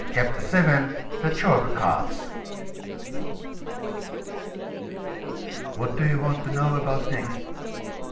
CHAPTER VII THE CHALK CARTS What do you want to know about next?